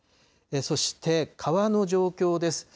そして川の状況です。